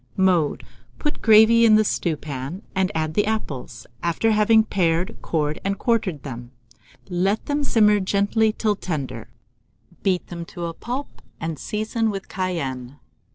Mode. Put the gravy in a stewpan, and add the apples, after having pared, cored, and quartered them. Let them simmer gently till tender; beat them to a pulp, and season with cayenne.